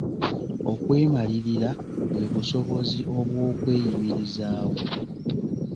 Okwemalirira bwe busobozi obw'okweyimirizaawo.